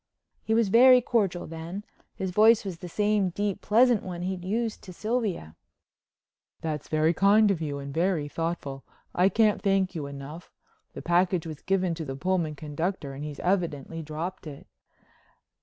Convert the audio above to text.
He was very cordial then. His voice was the same deep, pleasant one he'd used to Sylvia. "That's very kind of you and very thoughtful. I can't thank you enough. The package was given to the Pullman conductor and he's evidently dropped it."